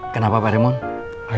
kenapa pak raymond